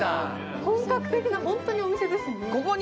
本格的な、本当にお店ですね。